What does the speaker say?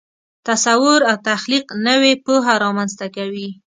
تصور او تخلیق نوې پوهه رامنځته کوي.